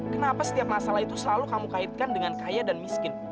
kenapa setiap masalah itu selalu kamu kaitkan dengan kaya dan miskin